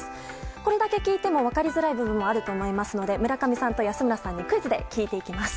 これだけ聞いても分かりづらい部分があると思いますので村上さんと安村さんにクイズで聞いていきます。